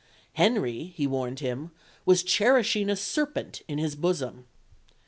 Henry, he warned him, was cherishing a serpent in his bosom.